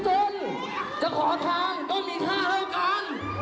จะขอทางก็มีท่าเท่ากัน